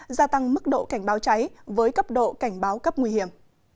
gia tăng mức độ cảnh báo cháy với cấp độ cảnh báo cấp nguy hiểm